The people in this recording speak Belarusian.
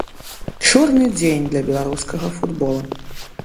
Чорны дзень для беларускага футбола.